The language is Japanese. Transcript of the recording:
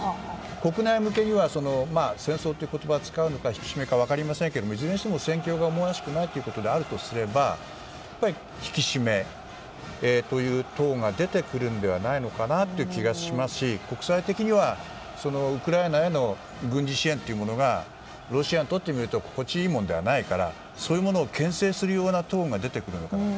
国内向けには戦争という言葉を使うのか引き締めか分かりませんがいずれにしても戦況が思わしくないということならば引き締めというトーンが出てくるんじゃないかという気がしますし国際的にはウクライナへの軍事支援というものがロシアにとってみると心地いいものではないからそういうものをけん制するようなトーンが出てくるのかなと。